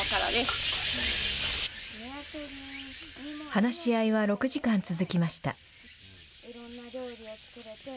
話し合いは６時間続きました。